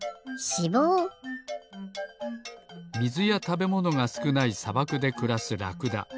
みずやたべものがすくないさばくでくらすラクダ。